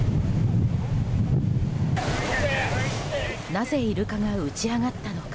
なぜイルカが打ち揚がったのか。